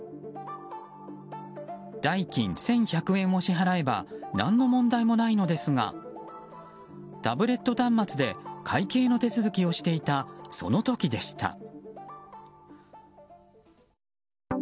代金１１００円を支払えば何の問題もないのですがタブレット端末で会計の手続きをしていたその時でした。